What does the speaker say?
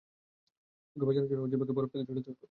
ওকে বাঁচানোর জন্য ওর জিহ্বাকে বরফ থেকে ছুটাতে হত।